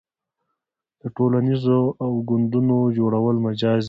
د ټولنو او ګوندونو جوړول مجاز دي.